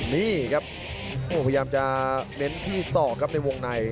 นี่ครับพยายามจะเน้นที่ศอกครับในวงใน